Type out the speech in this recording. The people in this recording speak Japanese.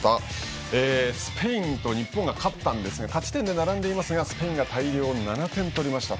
スペインと日本が勝ったんですが勝ち点で並んでいますがスペインが大量７点取りました。